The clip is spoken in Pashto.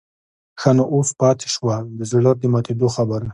ښه نو اوس پاتې شوه د زړه د ماتېدو خبره.